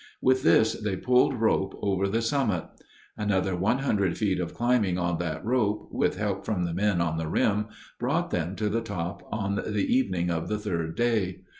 With this they pulled rope over the summit. Another 100 feet of climbing on that rope, with help from the men on the rim, brought them to the top on the evening of the third day.